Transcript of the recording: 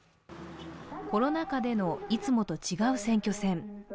コロナ禍でのいつもと違う選挙戦。